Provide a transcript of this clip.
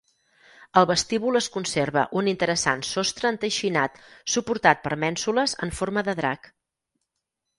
Al vestíbul es conserva un interessant sostre enteixinat suportat per mènsules en forma de drac.